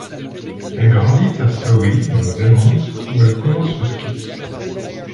Elle grandit à Stowe dans le Vermont où elle commence le ski.